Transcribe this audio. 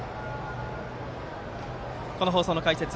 この放送の解説